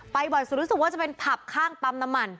บ่อยสุดรู้สึกว่าจะเป็นผับข้างปั๊มน้ำมัน